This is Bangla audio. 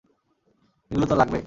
এগুলো তোর লাগবে!